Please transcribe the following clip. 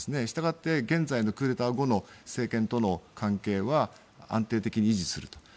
したがって現在のクーデター後の政権との関係は安定的に維持すると。